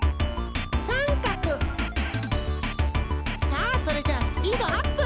さあそれじゃあスピードアップ！